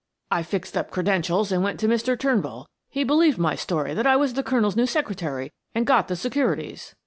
I fixed up credentials and went to Mr. Turnbull; he believed my story that I was the colonel's new secretary and got the securities."